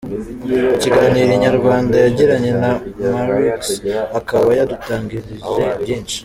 Mu kiganiro Inyarwanda yagiranye na Maurix, akaba yadutangarije byinshi.